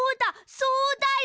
そうだよ！